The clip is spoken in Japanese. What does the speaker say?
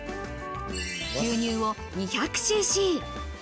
牛乳を２００ｃｃ。